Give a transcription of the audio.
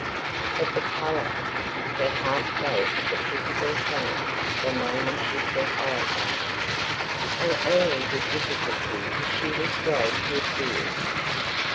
But the colour! Her heart fell to the pit of her stomach the moment she set eyes on it, and only with difficulty did she restrain her tears.